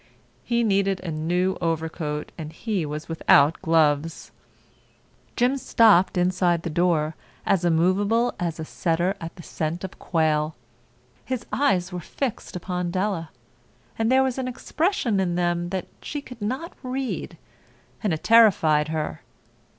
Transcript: He needed a new overcoat and he was without gloves. Jim stopped inside the door, as immovable as a setter at the scent of quail. His eyes were fixed upon Della, and there was an expression in them that she could not read, and it terrified her.